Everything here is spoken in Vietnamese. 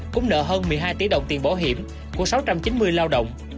cũng nợ hơn một mươi hai tỷ đồng tiền bảo hiểm của sáu trăm chín mươi lao động